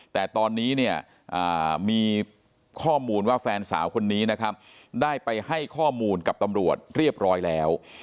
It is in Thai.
แต่ตอนนี้เนี่ยมีข้อมูลว่าแฟนสาวคนนี้นะครับได้ไปให้ข้อมูลกับตำรวจเรียบร้อยแล้ว